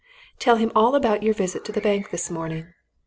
Tell him all about your visit to the bank this morning.